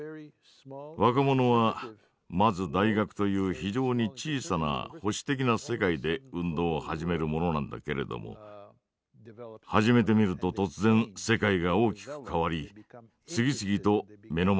若者はまず大学という非常に小さな保守的な世界で運動を始めるものなんだけれども始めてみると突然世界が大きく変わり次々と目の前で展開するようになる。